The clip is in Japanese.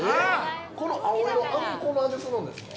◆この青色、あんこの味するんですか。